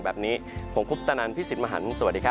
อาทิตย์